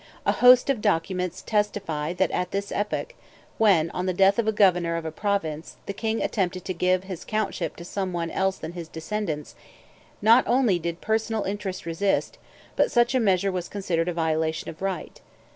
A host of documents testify that at this epoch, when, on the death of a governor of a province, the king attempted to give his countship to some one else than his descendants, not only did personal interest resist, but such a measure was considered a violation of right.